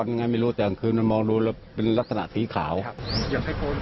ทับประตูไม่ใหอ้อกนะมั้ย